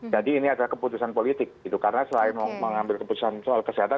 jadi ini adalah keputusan politik karena selain mengambil keputusan soal kesehatan